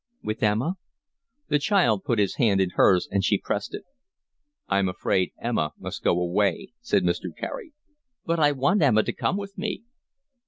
"With Emma?" The child put his hand in hers, and she pressed it. "I'm afraid Emma must go away," said Mr. Carey. "But I want Emma to come with me."